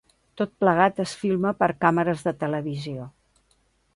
Tot plegat es filma per càmeres de televisió.